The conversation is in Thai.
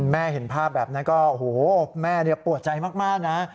เห็นภาพแบบนั้นก็โอ้โหแม่ปวดใจมากนะ